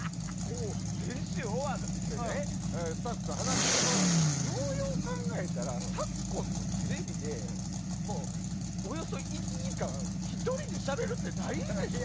先週終わってスタッフと話しててようよう考えたら昨今のテレビでおよそ１時間１人でしゃべるってないでしょ。